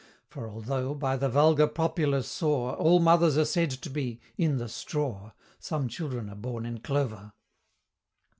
For although, by the vulgar popular saw, All mothers are said to be "in the straw," Some children are born in clover.